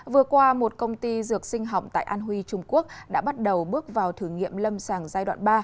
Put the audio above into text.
vừa qua một công ty dược sinh học tại an huy trung quốc đã bắt đầu bước vào thử nghiệm lâm sàng giai đoạn ba